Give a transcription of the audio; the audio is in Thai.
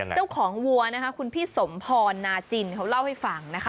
วัวนะคะคุณพี่สมพรนาจินเขาเล่าให้ฟังนะคะ